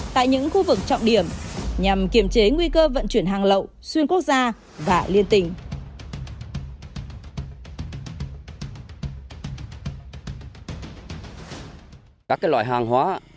tại những khu vực trọng điểm nhằm kiểm chế nguy cơ vận chuyển hàng lậu xuyên quốc gia và liên tình